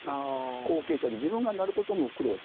後継者に自分がなることも苦労した。